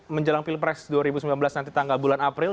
menjelang pilpres dua ribu sembilan belas nanti tanggal bulan april